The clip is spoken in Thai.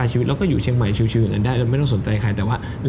จริงเหรอ